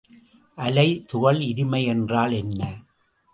அலை துகள் இருமை என்றால் என்ன?